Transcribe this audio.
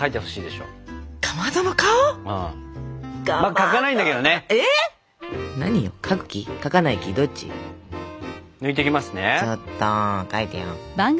ちょっと描いてよ。